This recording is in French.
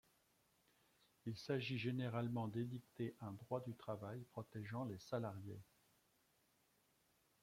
Il s’agit généralement d’édicter un droit du travail protégeant les salariés.